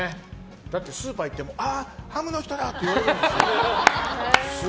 だってスーパー行ってもあ、ハムの人だ！って言われるんだもん。